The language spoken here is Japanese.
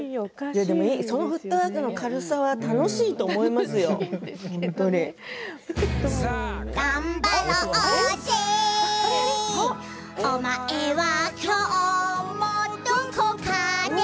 そのフットワークの軽さは楽しいと思いますよ、本当に。